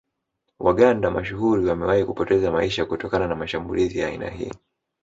Waganda mashuhuri wamewahi kupoteza maisha kutokana na mashmbulizi ya aina hii